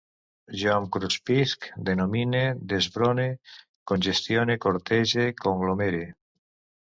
Jo em cruspisc, denomine, desbrome, congestione, cartege, conglomere